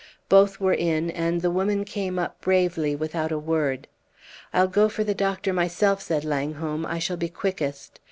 Both were in, and the woman came up bravely without a word. "I'll go for the doctor myself," said Langholm. "I shall be quickest."